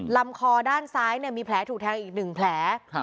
ลำคอด้านซ้ายมีแผลถูกแทงอีก๑แผล